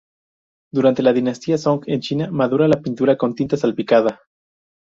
Durante la dinastía Song en China, madura la pintura con tinta salpicada.